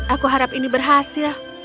aku harap ini berhasil